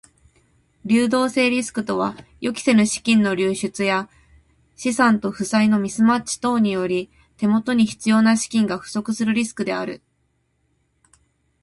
流動性リスクとは予期せぬ資金の流出や資産と負債のミスマッチ等により手元に必要な資金が不足するリスクである。